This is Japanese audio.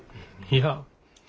いや。